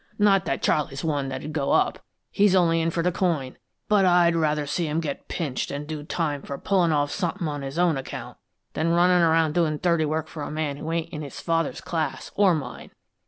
Not that Charley's one that'd go up he's only in it for the coin but I'd rather see him get pinched an' do time for pullin' off somethin' on his own account, than runnin' around doin' dirty work for a man who ain't in his father's class, or mine.